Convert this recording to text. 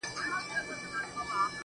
قايل پرون هم په هر در دَ ټيټېدو نه وو